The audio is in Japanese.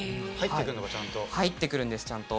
入って来んのかちゃんと。入って来るんです。